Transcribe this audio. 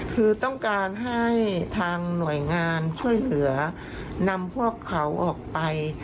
คือต้องการให้ทางหน่วยงานช่วยเหลือนำพวกเขาออกไป